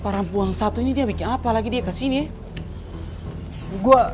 para perempuan satu ini dia bikin apa lagi dia kesini ya